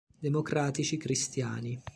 Democratici Cristiani